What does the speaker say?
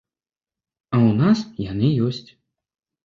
А ў нас яны ёсць.